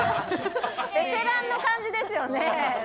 ベテランの感じですよね。